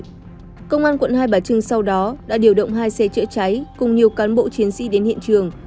công an quận hai bà trưng sau đó đã điều động hai xe chữa cháy cùng nhiều cán bộ chiến sĩ đến hiện trường